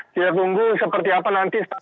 kita tunggu seperti apa nanti spasing line up